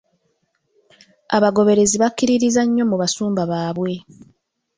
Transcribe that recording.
Abagoberezi bakkiririza nnyo mu basumba baabwe.